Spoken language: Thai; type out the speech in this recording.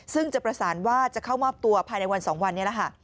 ซึ่งจะประสานว่าจะเข้ามอบตัวภายในวัน๒วันนี้แหละค่ะ